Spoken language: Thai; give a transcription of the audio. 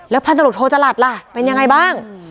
แล้วพันธุ์หลุดโทรจรัดล่ะเป็นยังไงบ้าง